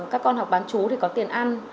các con học bán chú thì có tiền ăn